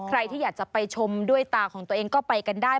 ใครที่อยากจะไปชมด้วยตาของตัวเองก็ไปกันได้